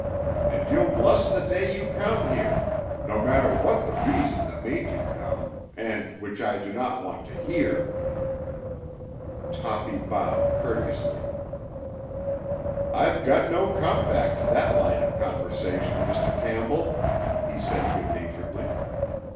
And you'll bless the day you come here—no matter what the reason that made you come, and which I do not want to hear." Toppy bowed courteously. "I've got no come back to that line of conversation, Mr. Campbell," he said good naturedly.